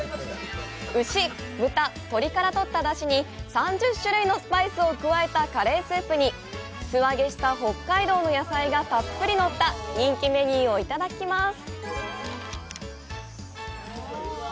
牛、豚、鶏から取った出汁に３０種類のスパイスを加えたカレースープに、素揚げした北海道の野菜がたっぷりのった、人気メニューをいただきます！